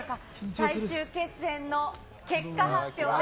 最終決戦の結果発表です。